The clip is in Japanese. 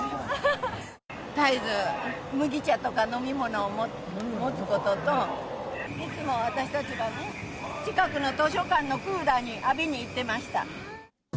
絶えず麦茶とか、飲み物を持つことと、いつも私たちはね、近くの図書館のクーラーに、浴びに行ってました。